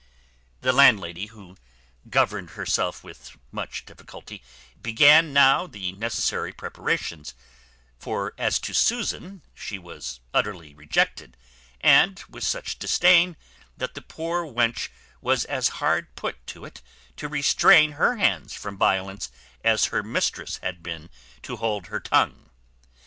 The landlady, who governed herself with much difficulty, began now the necessary preparations; for as to Susan, she was utterly rejected, and with such disdain, that the poor wench was as hard put to it to restrain her hands from violence as her mistress had been to hold her tongue.